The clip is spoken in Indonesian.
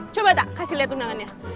coba tak kasih lihat undangannya